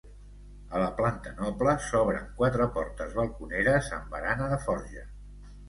A la planta noble s'obren quatre portes balconeres amb barana de forja.